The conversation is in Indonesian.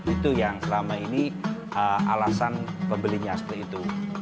itu yang selama ini alasan pembelinya seperti itu